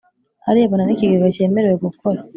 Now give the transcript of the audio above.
arebana n ikigega cyemerewe gukora